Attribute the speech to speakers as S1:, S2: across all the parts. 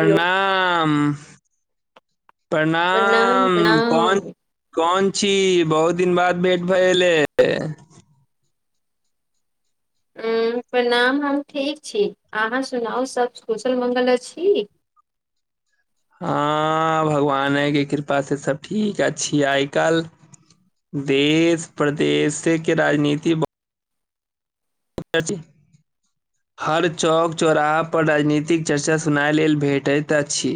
S1: hello
S2: प्रणाम कौन कौन छी बहुत दिन बाद भेंट भएले
S1: प्रणाम हम ठीक छी अहाँ सुनाउ सब कुशल मङ्गल अछि
S2: हँ भगवाने के कृपास से सब ठीक छ आइ काल्हि देश प्रदेश के राजनीति बहुत चच हर चौक चौराहा पर राजनीतिक चर्चा सुनय लेल भेटैत अछि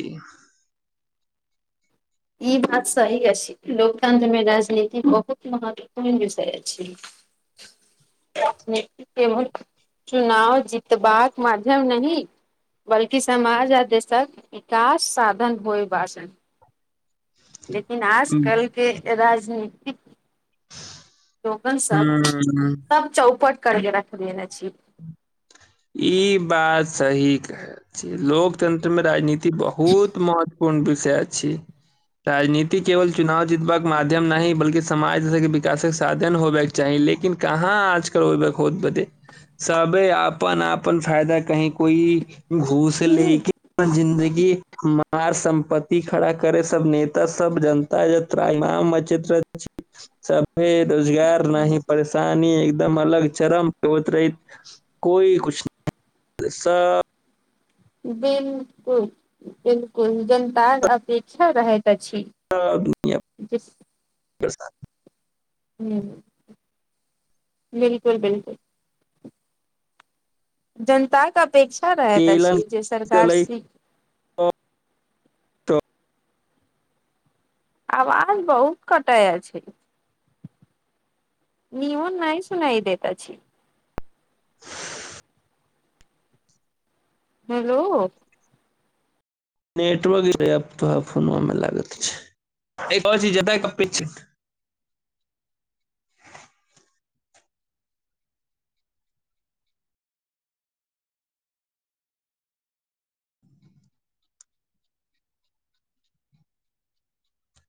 S1: ई बात सही अइछ लोकतंत्र में राजनीति बहुत महत्वपूर्ण विषय अछि अकेले चुनाव जितबाक माध्यम नइ बल्कि समाज आ देशक विकास साधन होय बास लेकिन आजकल के राजनीतिक लोगन सब
S2: हूँ
S1: सब चौपट करके रखलियै ने छी
S2: ई बात सही कहय लोकतन्त्र में राजनीति बहुत महत्वपूर्ण विषय छै राजनीति केवल चुनाव जीतबाक माध्यम नहि बल्ि समाज जसे विकासक साधन होब चाही लेकिन कहाँ आजकल ओइ में खोद बदे सबे अपन अपन फायदा कही कोई घूस
S1: हूं
S2: लेके जिन्दगी मार सम्पत्ति खड़ा करे सब नेता सब जनता ाामच्र छी सब हे रोजगार न परेशानी एकदम अलग चरम प होतरेत कोइ किछ
S1: बिल्कुल बिल्कुल जनता अपेक्षा रहैत अछि जिस
S2: रस
S1: हं बिलकुल बिलकुल जनताके अपेक्षा रहैत
S2: तेलन
S1: अछि जे सरकार
S2: चलै
S1: आवाज बहुत कटाए छय न ओन नइ सुनाई देता छी हेलो
S2: नेटवर्क तो फो लाग छै